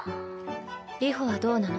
流星はどうなの？